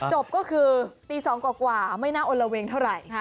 จบก็คือตี๒กว่าไม่น่าอลละเวงเท่าไหร่